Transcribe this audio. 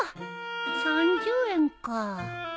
３０円か。